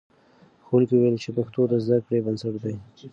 ښوونکي وویل چې پښتو د زده کړې بنسټ دی.